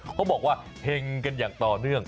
เขาบอกว่าเห็งกันอย่างต่อเนื่อง